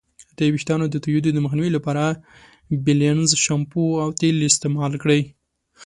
د ویښتانو د توییدو د مخنیوي لپاره بیلینزر شامپو او تیل استعمال کړئ.